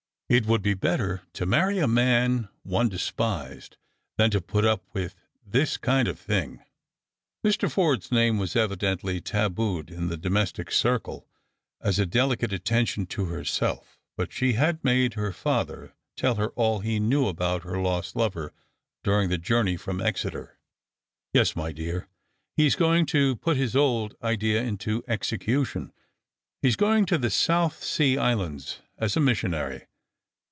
" It would be better to marry a man one despised than to put up with this kind of thing." Mr, Forde's name was evidently tabooed in the domestic circle, as a delicate attention to herself; but she had made her father tell her all he knew about her lost lover during the jour ney from Exeter. " Yes, my dear, he is going to put his old idea into execution ; he is going to the South Sea Islands as a missionary.